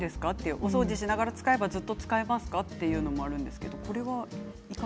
お掃除をしながら使えばずっと使えますかということです。